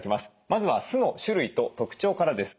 まずは酢の種類と特徴からです。